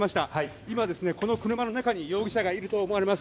今、この車の中に容疑者がいると思われます。